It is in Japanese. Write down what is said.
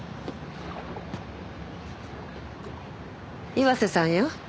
岩瀬さんよ。